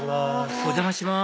お邪魔します